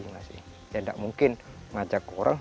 ya tidak mungkin ngajak orang